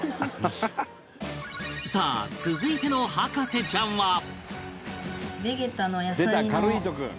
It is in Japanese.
さあ続いての博士ちゃんは